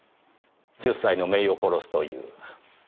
１０歳の姪を殺すという。